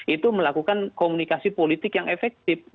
itu melakukan komunikasi politik yang efektif